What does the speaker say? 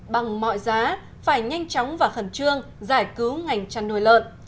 bằng mọi giá phải nhanh chóng và khẩn trương giải cứu ngành chăn nuôi lợn